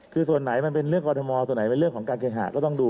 คือส่วนไหนมันเป็นเรื่องกรทมส่วนไหนเป็นเรื่องของการเคหาก็ต้องดู